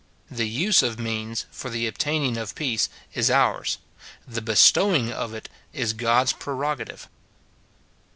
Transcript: The use of means for the obtaining of peace is ours ; the bestowing of it is God's prerogative.